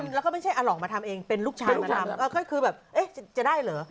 แล้วก็ไม่ใช่เอาหลอกมาทำเองเป็นลูกชายมาทำก็คือแบบเอ๊ะจะได้เหรอ